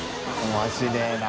面白いな。